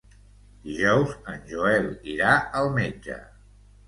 Dijous en Joel irà al metge.